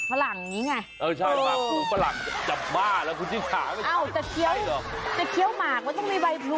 เฮ้ยจริง